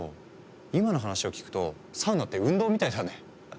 今の話を聞くとサウナって運動みたいだね。